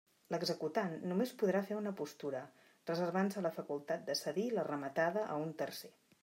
L'executant només podrà fer una postura reservant-se la facultat de cedir la rematada a un tercer.